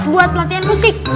buat pelatihan musik